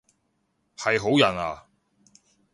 係好人啊？